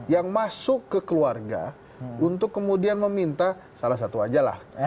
yang masuk ke keluarga untuk kemudian meminta salah satu aja lah